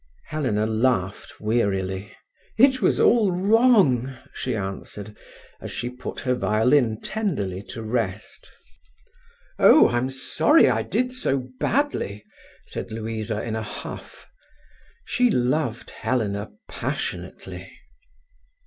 Helena laughed wearily. "It was all wrong," she answered, as she put her violin tenderly to rest. "Oh, I'm sorry I did so badly," said Louisa in a huff. She loved Helena passionately.